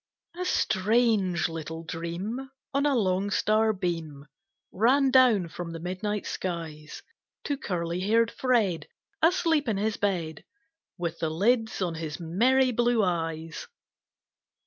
A STRANGE little Dream On a long star beam Ran down from the midnight skies, To curly hair'd Fred Asleep in his bed, With the lids on his merry blue eyes.